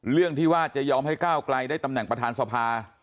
เรื่องที่ว่าจะยอมให้ก้าวไกลได้ตำแหน่งประธานสภา